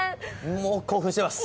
もう興奮してます。